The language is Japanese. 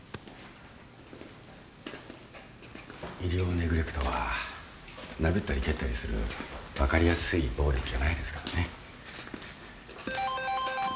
医療ネグレクトは殴ったり蹴ったりする分かりやすい暴力じゃないですからね。